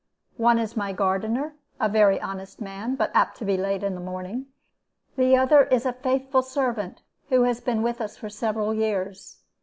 One is my gardener, a very honest man, but apt to be late in the morning. The other is a faithful servant, who has been with us for several years.